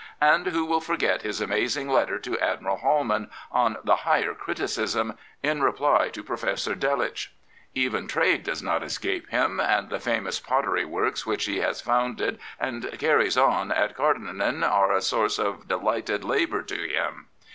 And who will forget his amazing letter to Admiral Hollmann on the higher criticism, in reply to Professor Delitzsch? Even trade does not escape him, and the famous pottery w^orks which he has founded and carries on at Cardinen are a source of delighted labour to him.